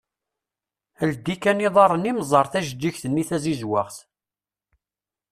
Ldi kan iḍarren-im ẓer tajeğğigt-nni tazizwaɣt.